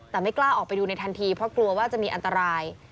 แต่ไม่กล้าออกไปดูในทันทีเพราะกลัวว่าจะมีอันตราย